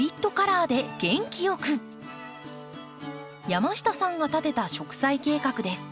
山下さんが立てた植栽計画です。